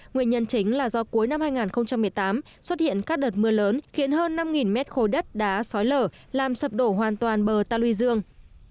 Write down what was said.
nguyên nhân chính là do cuối năm hai nghìn một mươi tám xuất hiện các đợt mưa lớn khiến hơn năm mét khối đất đá xói lở làm sập đổ hoàn toàn bờ ta luy dương